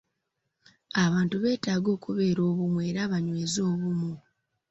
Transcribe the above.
Abantu beetaaga okubeera obumu era banyweze obumu.